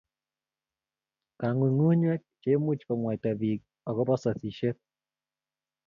Kangunyngunyek che imuch komwaita piik akoba sasishet